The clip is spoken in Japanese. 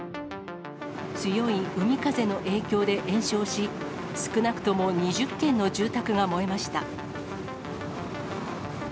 強い海風の影響で延焼し、少なくとも２０軒の住宅が燃えました。